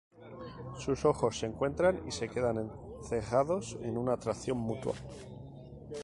Sus ojos se encuentran y se quedan encerrados en una atracción mutua.